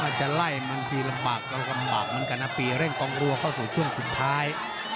จะไล่มันทีลำบากก็ลำบากเหมือนกันนะปีเร่งกองรัวเข้าสู่ช่วงสุดท้าย